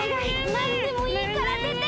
なんでもいいからでて！